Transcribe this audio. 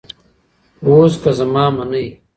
اوس که زما منۍ